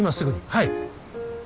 はい。